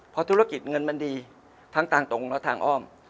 เพราะธุรกิจเงินมันดีทั้งทางตรงและทางอ้อม